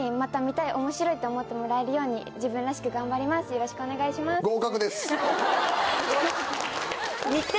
よろしくお願いします。ですね。